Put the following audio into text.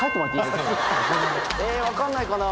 えっ分かんないかな？